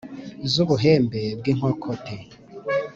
Z'ubuhembe bw'inkokote,